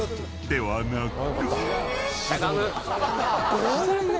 ［ではなく］